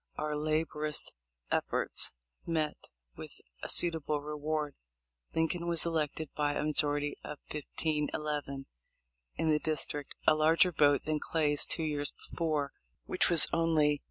Our laborious efforts met with a suitable reward. Lin coln was elected by a majority of 1511 in the dis trict, a larger vote than Clay's two years before, which was only 914.